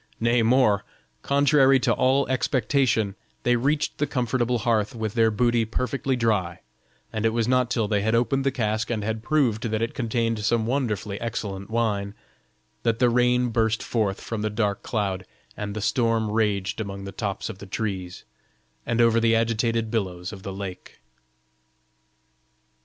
Nay, more: contrary to all expectation, they reached the comfortable hearth with their booty perfectly dry, and it was not till they had opened the cask, and had proved that it contained some wonderfully excellent wine, that the rain burst forth from the dark cloud, and the storm raged among the tops of the trees, and over the agitated billows of the lake.